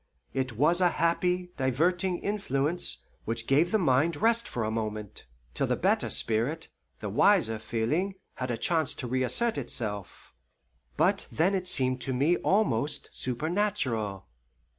It was a happy, diverting influence, which gave the mind rest for a moment, till the better spirit, the wiser feeling, had a chance to reassert itself; but then it seemed to me almost supernatural.